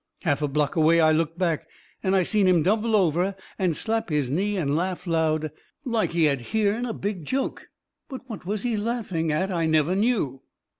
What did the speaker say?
Half a block away I looked back and I seen him double over and slap his knee and laugh loud, like he had hearn a big joke, but what he was laughing at I never knew.